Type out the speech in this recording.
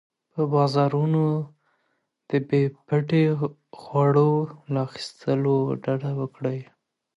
په بازارونو کې د بې پټي خواړو له اخیستلو ډډه وکړئ.